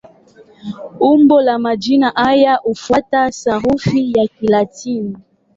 Umbo la majina haya hufuata sarufi ya Kilatini.